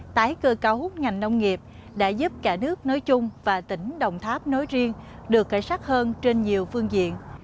tái cơ cao hút ngành nông nghiệp đã giúp cả nước nói chung và tỉnh đồng tháp nói riêng được khởi sắc hơn trên nhiều phương diện